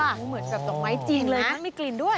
เหมือนกับดอกไม้จริงเลยนะมีกลิ่นด้วย